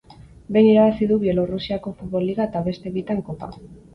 Behin irabazi du Bielorrusiako futbol liga eta beste bitan Kopa.